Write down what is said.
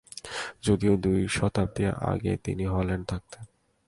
যদিও দুই শতাব্দী আগে তিনি হল্যান্ডে থাকতেন।